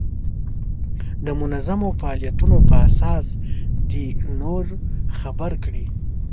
د منظمو فعالیتونو په اساس دې نور خبر کړي.